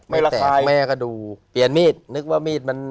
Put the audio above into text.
ไม่แตกแม่กระดูกเปลี่ยนมีดนึกว่ามีดมัน